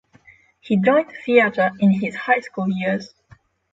He joined theater in his high school years.